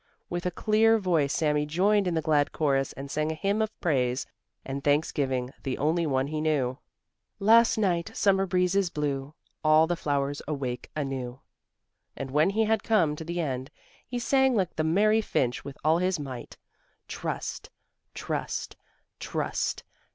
With a clear voice Sami joined in the glad chorus and sang a hymn of praise and thanksgiving, the only one he knew: "Last night Summer breezes blew: All the flowers awake anew," And when he had come to the end, he sang like the merry finch with all his might: "Trust! Trust! Trust!